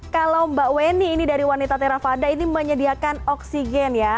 kalau mbak weni ini dari wanita terafada ini menyediakan oksigen ya